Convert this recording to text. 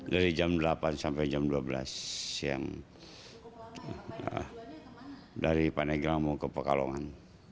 dari jam delapan sampai jam dua belas siang dari panegramo ke pekalongan